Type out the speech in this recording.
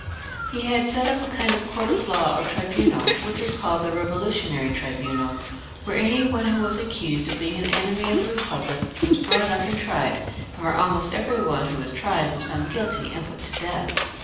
They had set up a kind of court of law or tribunal, which was called the Eevolutionary Tribunal, where any one who was accused of being an enemy of the Kepublic was brought up and tried, and where almost every one who was tried 410 THE REVOLUTION, [CH. was found guilty and put to death.